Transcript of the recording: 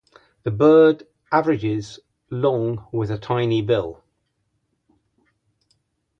This bird averages long with a tiny bill.